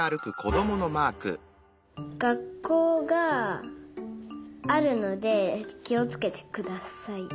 がっこうがあるのできをつけてください。